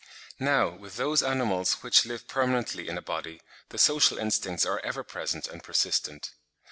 Now with those animals which live permanently in a body, the social instincts are ever present and persistent.